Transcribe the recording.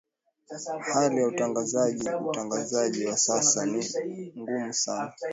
hali ya utangazaji utangazaji wa sasa ni ngumu sana